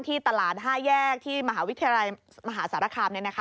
ที่ตลาด๕แยกที่มหาวิทยาลัยมหาศาลคาร์มนี้นะคะ